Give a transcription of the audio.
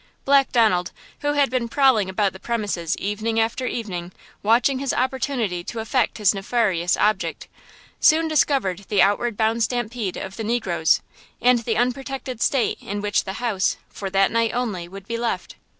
Black Donald, who had been prowling about the premises evening after evening, watching his opportunity to effect his nefarious object, soon discovered the outward bound stampede of the negroes, and the unprotected state in which the old house, for that night only, would be left.